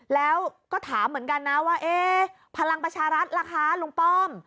แล้วก็ถามเหมือนกันนะว่าเอ๊ะพลังประชารัฐล่ะคะลุงป้อม